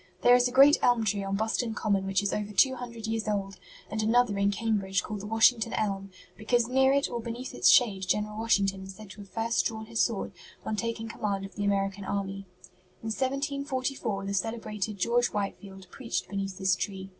There is a great elm tree on Boston Common which is over two hundred years old, and another in Cambridge called the 'Washington Elm,' because near it or beneath its shade General Washington is said to have first drawn his sword on taking command of the American army. In 1744 the celebrated George Whitefield preached beneath this tree."